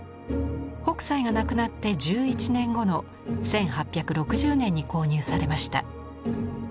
北斎が亡くなって１１年後の１８６０年に購入されました。